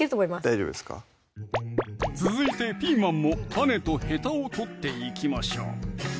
大丈夫ですか続いてピーマンも種とヘタを取っていきましょう！